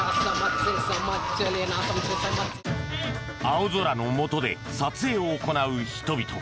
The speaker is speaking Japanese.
青空のもとで撮影を行う人々。